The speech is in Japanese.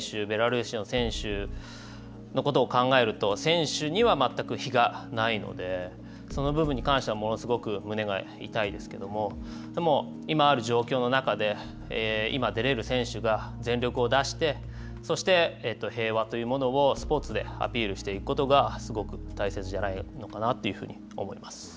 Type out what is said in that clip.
ベラルーシの選手のことを考えると選手には全く非がないのでその部分に関してはものすごく胸が痛いですけどもでも、今ある状況の中で今、出れる選手が全力を出してそして、平和というものをスポーツでアピールしていくことがすごく大切じゃないのかな